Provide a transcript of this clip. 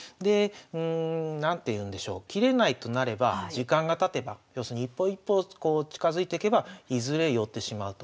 何ていうんでしょう切れないとなれば時間がたてば要するに一歩一歩近づいてけばいずれ寄ってしまうと。